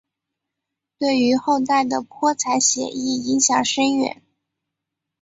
对于后代的泼彩写意影响深远。